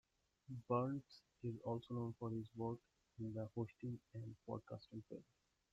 Burns is also known for his work in the hosting and podcasting field.